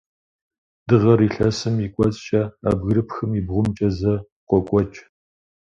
Дыгъэр илъэсым и кӏуэцӏкӏэ, а бгырыпхым и бгъумкӏэ зэ къокӏуэкӏ.